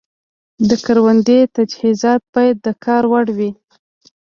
د کروندې تجهیزات باید د کار وړ وي.